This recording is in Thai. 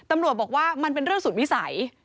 ตำรวจบอกว่ามันเป็นเรื่องสุดวิสัย